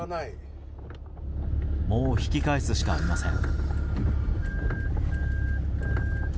もう引き返すしかありません。